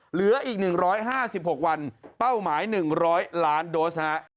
เหลืออีก๑๕๖วันเป้าหมาย๑๐๐ล้านโดสนะฮะ